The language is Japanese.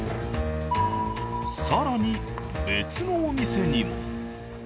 さらに別のお店にも。